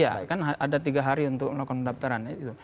ya kan ada tiga hari untuk melakukan pendaftaran